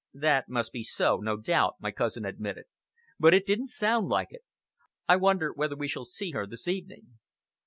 "That must be so, no doubt," my cousin admitted, "but it didn't sound like it. I wonder whether we shall see her this evening?"